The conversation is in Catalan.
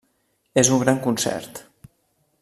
És un gran concert.